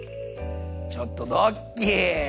ちょっとドッキー！